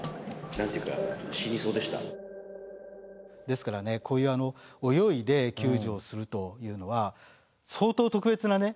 ですからねこういう泳いで救助をするというのは相当特別なね